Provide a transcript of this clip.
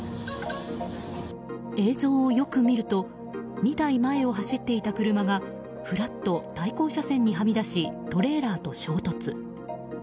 映像をよく見ると２台前を走っていた車がフラッと対向車線にはみ出しトレーラーと衝突。